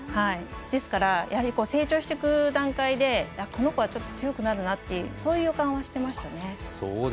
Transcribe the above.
ですから成長していく段階でこの子は強くなるなってそういう予感はしてました。